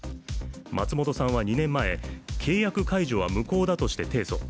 松本さんは２年前、契約解除は無効だとして提訴。